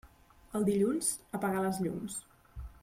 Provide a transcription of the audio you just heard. El dilluns, apagar les llums.